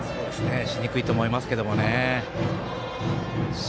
しにくいと思いますけどね。